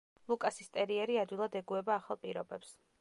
ლუკასის ტერიერი ადვილად ეგუება ახალ პირობებს.